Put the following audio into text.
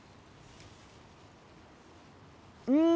うん！